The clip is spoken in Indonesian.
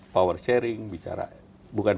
power sharing bicara bukan